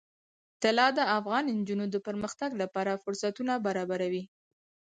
طلا د افغان نجونو د پرمختګ لپاره فرصتونه برابروي.